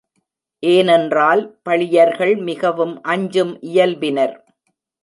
ஏனென்றால் பளியர்கள் மிகவும் அஞ்சும் இயல்பினர்.